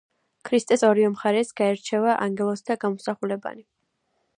ქრისტეს ორივე მხარეს გაირჩევა ანგელოზთა გამოსახულებანი.